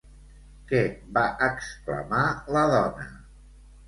Què va exclamar la dona?